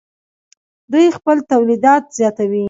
دوی خپل تولیدات زیاتوي.